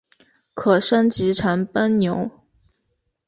可升级成奔牛。